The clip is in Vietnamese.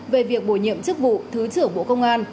về việc bổ nhiệm chức vụ thứ trưởng bộ công an